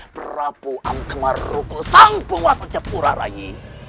berapu amkemarukul sangpung wasatya pura rai